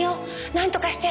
なんとかして！